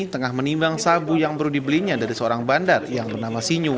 tengah menimbang sabu yang baru dibelinya dari seorang bandar yang bernama sinyu